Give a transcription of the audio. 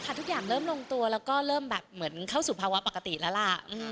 ทุกอย่างเริ่มลงตัวแล้วก็เริ่มแบบเหมือนเข้าสู่ภาวะปกติแล้วล่ะ